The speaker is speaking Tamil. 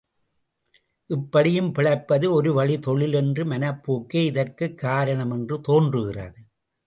இப்படியும் பிழைப்பது ஒருவழி தொழில் என்ற மனப்போக்கே இதற்குக் காரணம் என்று தோன்றுகிறது.